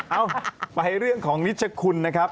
เอาไปเรื่องของนิชคุณนะครับ